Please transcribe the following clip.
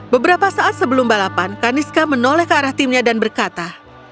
beberapa saat sebelum balapan kaniska menoleh ke arah timnya dan berkata